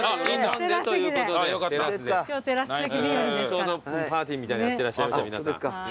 ちょうどパーティーみたいなのやってらっしゃいますよ皆さん。